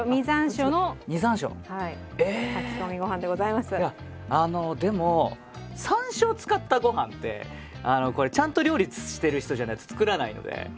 いやでも山椒を使ったご飯ってちゃんと料理してる人じゃないと作らないので。